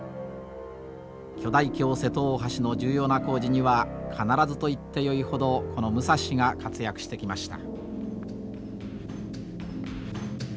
巨大橋瀬戸大橋の重要な工事には必ずといってよいほどこの武蔵が活躍してきました。